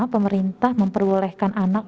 pemerintah memperolehkan anak